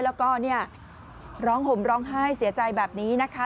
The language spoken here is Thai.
แล้วก็เนี่ยร้องห่มร้องไห้เสียใจแบบนี้นะคะ